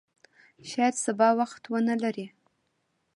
شاید سبا وخت ونه لرې !